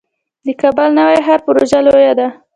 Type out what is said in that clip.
د کابل نوی ښار پروژه لویه ده